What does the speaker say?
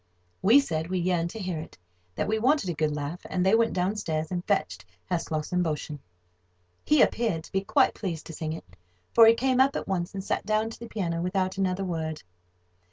We said we yearned to hear it, that we wanted a good laugh; and they went downstairs, and fetched Herr Slossenn Boschen. He appeared to be quite pleased to sing it, for he came up at once, and sat down to the piano without another word.